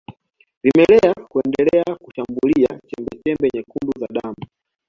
Vimelea huendelea kushambulia chembechembe nyekundu za damu